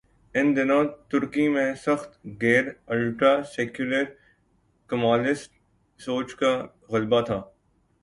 ان دنوں ترکی میں سخت گیر الٹرا سیکولر کمالسٹ سوچ کا غلبہ تھا۔